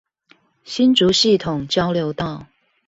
新竹系統交流道